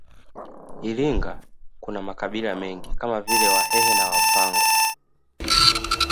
Iringa kuna makabila mengine kama wahehe na wapangwa